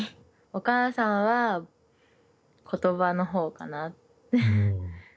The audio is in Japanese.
お母さんは言葉の方かな。